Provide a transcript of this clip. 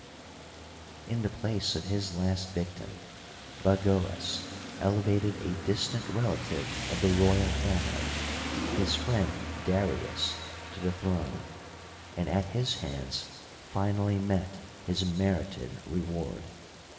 In the place of his last victim Bagoas elevated a distant relative of the royal fam ily — his friend Darius — to the throne, and at his hands finally met his merited reward.